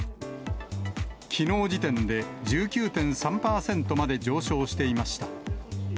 きのう時点で１９．３％まで上昇していました。